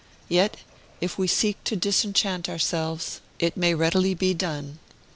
Yet, if we seek to disenchant ourselves, it may readily be done.